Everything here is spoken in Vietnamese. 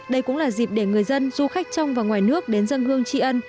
đây cũng là dịp để người dân du khách trong và ngoài nước đến dân hương tri ân